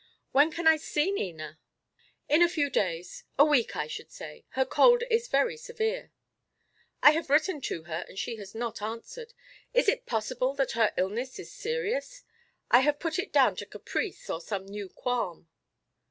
"When can I see Nina?" "In a few days a week, I should say. Her cold is very severe." "I have written to her, and she has not answered. Is it possible that her illness is serious? I have put it down to caprice or some new qualm."